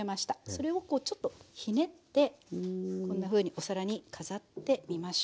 それをこうちょっとひねってこんなふうにお皿に飾ってみましょう。